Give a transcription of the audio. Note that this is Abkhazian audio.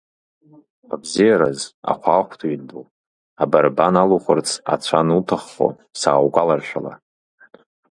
Абзиараз, ахәаахәҭыҩ ду, абарбан алухырц ацәа ануҭаххо сааугәаларшәала!